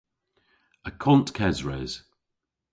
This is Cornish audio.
Akont kesres.